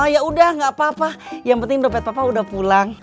ya udah gak apa apa yang penting dopet papa udah pulang